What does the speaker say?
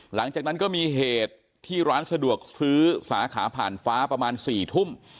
หลังจากนั้นก็มีเหตุที่ร้านสะดวกซื้อสาขาผ่านฟ้าประมาณ๔ทุ่ม